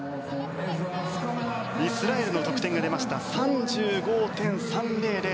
イスラエルの得点が出ました。３５．３００。